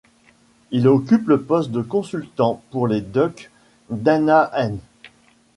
Il occupe le poste de consultant pour les Ducks d'Anaheim.